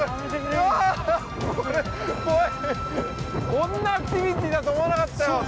こんなアクティビティだと思わなかったよ。